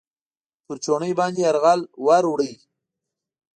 پر چوڼۍ باندې یرغل ورووړ.